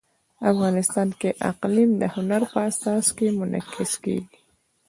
افغانستان کې اقلیم د هنر په اثار کې منعکس کېږي.